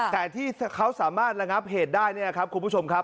แต่ที่เขาสามารถระงับเหตุได้เนี่ยครับคุณผู้ชมครับ